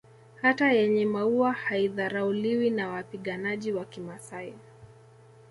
Hata yenye maua haidharauliwi na wapiganaji wa kimasai